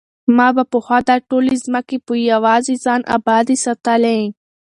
ما به پخوا دا ټولې ځمکې په یوازې ځان ابادې ساتلې.